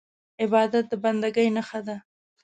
عبادت د بندګۍ نښه ده.